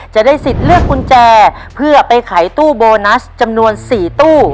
จะได้สิทธิ์เลือกกุญแจเพื่อไปขายตู้โบนัสจำนวน๔ตู้